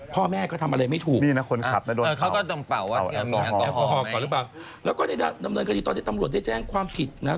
พ่อแม่ก็ทำอะไรไม่ถูกนี่นะคนขับน่ะโดนเห่าแล้วก็ดำเนินความผิดก็ได้แจ้งความผิดนะ